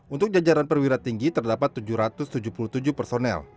untuk jajaran perwira tinggi terdapat tujuh ratus tujuh puluh tujuh personel